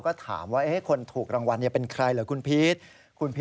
จักรรงรวร์เนี่ยเป็นใครเหรอคุณพีช